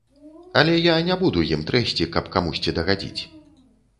Але я не буду ім трэсці, каб камусьці дагадзіць.